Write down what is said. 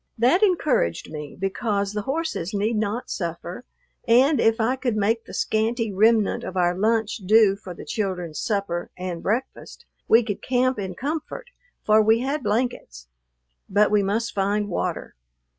That encouraged me because the horses need not suffer, and if I could make the scanty remnant of our lunch do for the children's supper and breakfast, we could camp in comfort, for we had blankets. But we must find water.